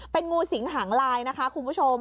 เป็นงูสิงหางลายนะคะคุณผู้ชม